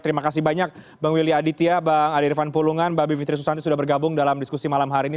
terima kasih banyak bang willy aditya bang adi irfan pulungan mbak bivitri susanti sudah bergabung dalam diskusi malam hari ini